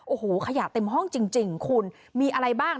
โอ้โหขยะเต็มห้องจริงคุณมีอะไรบ้าง